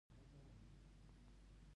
آیا بې کیفیته توکي وارد کیږي؟